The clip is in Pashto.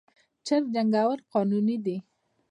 چرګ جنګول قانوني دي؟